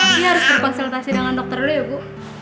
tapi harus berpanselitasi dengan dokter dulu ya bu